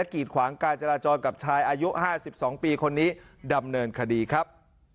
ขวางกาจราจรกับชายอายุห้าสิบสองปีคนนี้ดำเนินคดีครับ